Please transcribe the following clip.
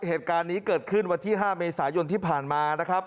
เหตุการณ์นี้เกิดขึ้นวันที่๕มีศายนที่ผ่านมา